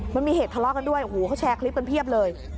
มันมีเหตุทะเลาะกันด้วยโอ้โหเขาแชร์คลิปกันเพียบเลย